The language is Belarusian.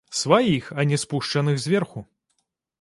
Сваіх, а не спушчаных зверху!